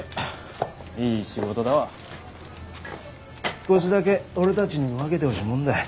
少しだけ俺たちにも分けてほしいもんだ。